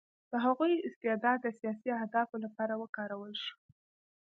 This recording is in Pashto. د هغوی استعداد د سیاسي اهدافو لپاره وکارول شو